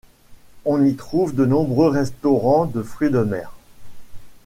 On y trouve de nombreux restaurants de fruits de mer.